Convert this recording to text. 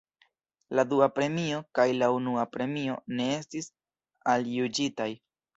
La dua premio kaj la unua premio ne estis aljuĝitaj.